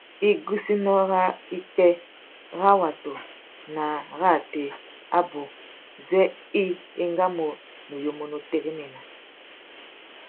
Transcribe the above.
Igussénô râ ipwê râ watu na arratê abú zê i engamú nuyumú nu téréména.